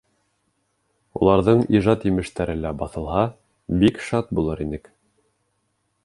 Уларҙың ижад емештәре лә баҫылһа, бик шат булыр инек.